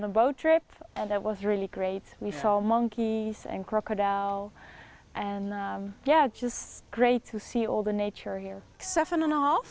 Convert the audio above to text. tapi kemudian kita menemukan para pria di sini dan mereka membawa kita ke tempat berbontak dan itu sangat bagus